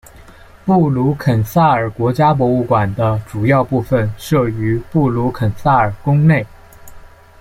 布鲁肯撒尔国家博物馆的主要部分设于布鲁肯撒尔宫内。